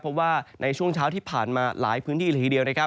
เพราะว่าในช่วงเช้าที่ผ่านมาหลายพื้นที่ละทีเดียวนะครับ